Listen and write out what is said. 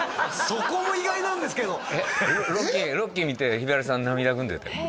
そこも意外なんですけど「ロッキー」見てひばりさん涙ぐんでたよ